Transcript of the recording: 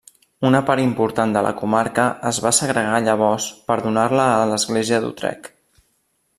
Una part important de la comarca es va segregar llavors per donar-la a l'església d'Utrecht.